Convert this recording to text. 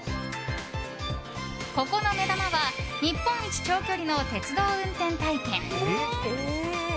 ここの目玉は日本一長距離の鉄道運転体験。